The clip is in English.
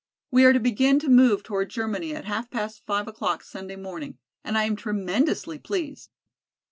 We are to begin to move toward Germany at half past five o'clock Sunday morning, and I am tremendously pleased.